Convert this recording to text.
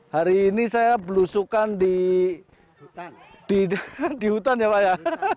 hari ini saya belusukan di hutan ya pak ya